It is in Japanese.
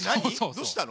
どうしたの？